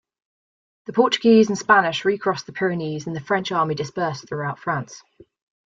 The Portuguese and Spanish recrossed the Pyrenees and the French army dispersed throughout France.